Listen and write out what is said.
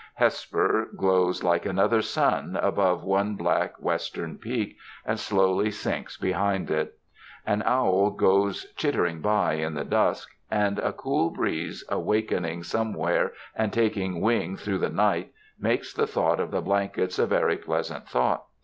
Hesper glows like another sun, above one black western peak and slowly sinks behind it. An owl goes chittering by in the dusk, and a cool breeze awakening somewhere and taking wing through the night, makes the thought of the blankets a very pleasant thought.